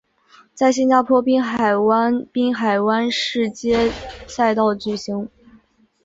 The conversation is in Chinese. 在新加坡滨海湾滨海湾市街赛道举行。